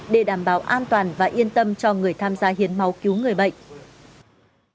để đảm bảo an toàn và yên tâm cho người tham gia hiến máu cứu người bệnh